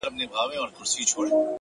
o وي دردونه په سيــــنـــــوكـــــــــي؛